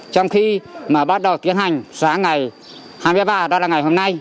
trong khi mà bắt đầu tiến hành sáng ngày hai mươi ba đó là ngày hôm nay